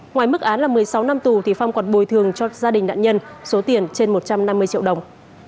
ngoài mức án là một mươi sáu năm tù thì phong còn bồi thường cho gia đình nạn nhân số tiền trên một trăm năm mươi triệu đồng